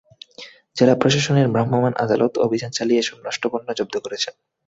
জেলা প্রশাসনের ভ্রাম্যমাণ আদালত অভিযান চালিয়ে এসব নষ্ট পণ্য জব্দ করেছেন।